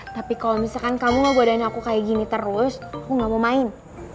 tapi kalo misalkan kamu ngebodain aku kayak gini terus gue gak mau main